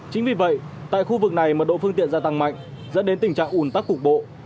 chính vì vậy tại khu vực này mật độ phương tiện gia tăng mạnh dẫn đến tình trạng ủn tắc cục bộ